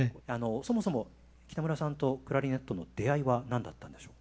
そもそも北村さんとクラリネットの出会いは何だったんでしょう。